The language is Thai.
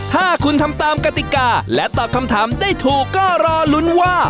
ถ้าคุณทำตามกติกาและตอบคำถามได้ถูกก็รอลุ้นว่า